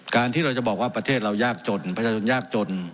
ที่เราจะบอกว่าประเทศเรายากจนประชาชนยากจน